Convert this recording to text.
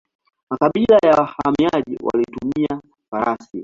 Makabila ya wahamiaji walitumia farasi.